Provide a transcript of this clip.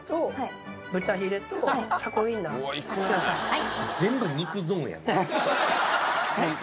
はい。